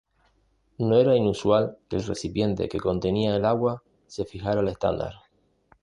No era inusual que el recipiente que contenía el agua se fijara al estándar.